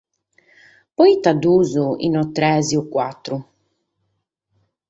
Pro ite duos e non tres o bator?